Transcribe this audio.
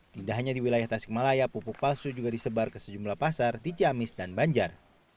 tidak hanya di wilayah tasikmalaya pupuk palsu juga disebar ke sejumlah pasar di ciamis dan banjar